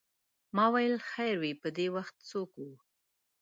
ما ویل خیر وې په دې وخت څوک و.